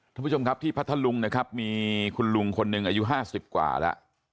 ท่านผู้ชมครับที่พัทธลุงนะครับมีคุณลุงคนหนึ่งอายุ๕๐กว่าแล้ว